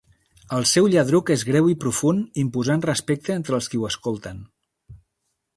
El seu lladruc és greu i profund imposant respecte entre els qui ho escolten.